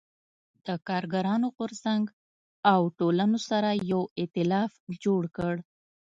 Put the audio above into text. د کارګرانو غو رځنګ او ټولنو سره یو اېتلاف جوړ کړ.